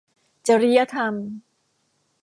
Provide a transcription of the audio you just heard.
จริยธรรม